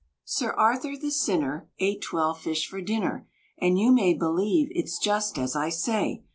Sir Arthur, the sinner, Ate twelve fish for dinner, And you may believe it's just as I say!